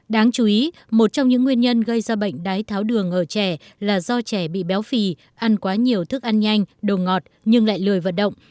đáng chú ý một trong những nguyên nhân gây ra bệnh đái tháo đường ở trẻ là do trẻ bị béo phì ăn quá nhiều thức ăn nhanh đồ ngọt nhưng lại lười vận động